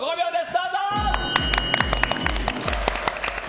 どうぞ。